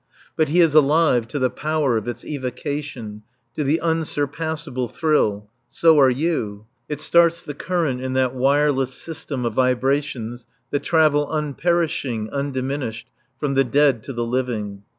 But he is alive to the power of its evocation, to the unsurpassable thrill. So are you. It starts the current in that wireless system of vibrations that travel unperishing, undiminished, from the dead to the living.